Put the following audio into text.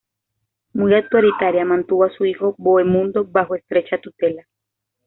Muy autoritaria, mantuvo a su hijo Bohemundo bajo estrecha tutela.